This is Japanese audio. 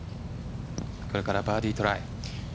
これからバーディートライ。